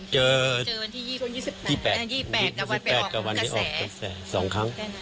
เจอวันที่๒๘กับวันที่ออกกระแส๒ครั้ง